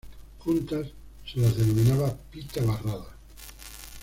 Juntas, se las denominaba pita barrada.